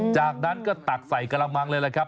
จากนั้นก็ตักใส่กระมังเลยแหละครับ